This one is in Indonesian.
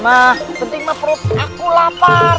yang penting adalah perutku aku lapar